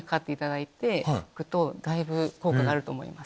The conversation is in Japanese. だいぶ効果があると思います。